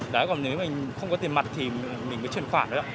đấy còn nếu mình không có tiền mặt thì mình mới chuyển khoản đấy ạ